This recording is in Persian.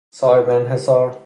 صاحب انحصار